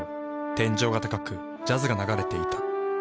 天井が高くジャズが流れていた。